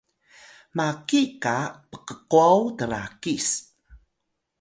maki qa pqqwaw trakis